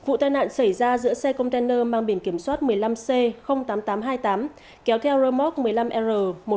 vụ tai nạn xảy ra giữa xe container mang biển kiểm soát một mươi năm c tám nghìn tám trăm hai mươi tám kéo theo remote một mươi năm r một nghìn năm mươi năm